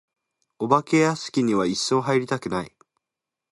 お化け屋敷には一生入りたくない。